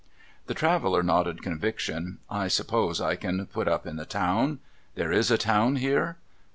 The traveller nodded conviction, ' I suppose I can put up in the town ? There is a town here